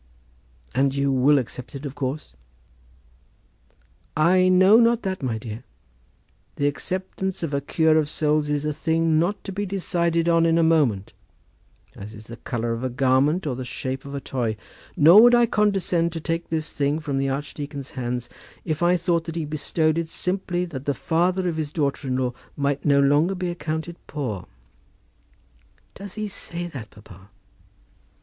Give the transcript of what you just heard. "And you will accept it, of course?" "I know not that, my dear. The acceptance of a cure of souls is a thing not to be decided on in a moment, as is the colour of a garment or the shape of a toy. Nor would I condescend to take this thing from the archdeacon's hands, if I thought that he bestowed it simply that the father of his daughter in law might no longer be accounted poor." "Does he say that, papa?"